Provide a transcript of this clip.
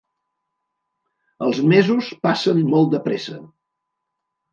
Els mesos passen molt de pressa.